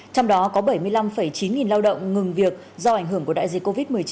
trong đó có bảy mươi năm chín nghìn lao động ngừng việc do ảnh hưởng của đại dịch covid một mươi chín